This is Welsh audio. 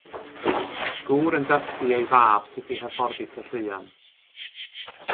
Gŵr yn dysgu ei fab sut i hyfforddi tylluan.